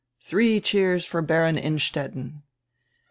Three cheers for Baron Innstetten!"